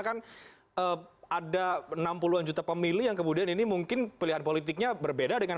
kan ada enam puluh an juta pemilih yang kemudian ini mungkin pilihan politiknya berbeda dengan